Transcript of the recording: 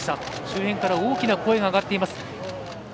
周辺から大きな声が上がっています。